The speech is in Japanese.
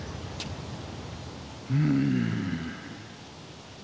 うん。